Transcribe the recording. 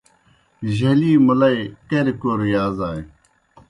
جھلی مُلئی کریْ کوْ یازانیْ۔